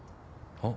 あっ。